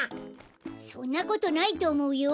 そんなことないとおもうよ。